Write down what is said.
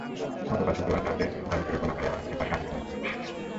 গতকাল শুক্রবার রাতে গাজীপুরের কোনাবাড়ী এলাকা থেকে তাঁকে আটক করা হয়।